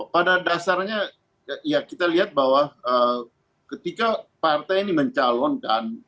pada dasarnya ya kita lihat bahwa ketika partai ini mencalonkan